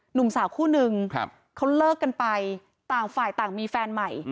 หนุ่มสาวคู่นึงเขาเลิกกันไปต่างฝ่ายต่างมีแฟนใหม่